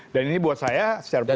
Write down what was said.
dan ini buat saya secara pribadi